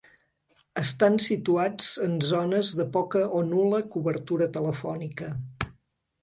Estan situats en zones de poca o nul·la cobertura telefònica.